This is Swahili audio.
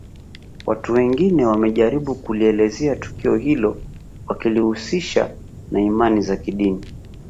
Watu wengine wamejaribu kulielezea tukio hili wakilihusisha na imani za kidini